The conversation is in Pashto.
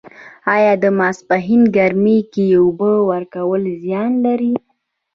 آیا د ماسپښین ګرمۍ کې اوبه ورکول زیان لري؟